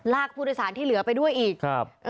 ลากผู้โดยสารที่เหลือไปด้วยอีก